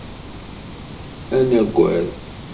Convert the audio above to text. Ad nagad.